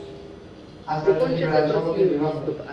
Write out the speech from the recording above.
আজ প্রাসাদে বিড়াল-শাবকের বিবাহ।